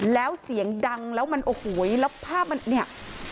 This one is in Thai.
แล้วเสียงดังแล้วมันโอ้โหแล้วภาพมันเนี่ย